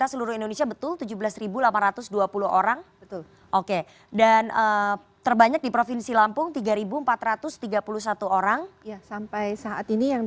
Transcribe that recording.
adalah di provinsi lampung